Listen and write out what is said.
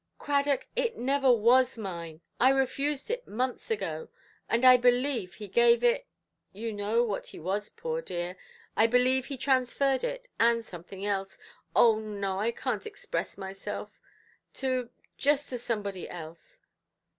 "Cradock, it never was mine. I refused it months ago; and I believe he gave it—you know what he was, poor dear—I believe he transferred it, and something else—oh no, I canʼt express myself—to—just to somebody else".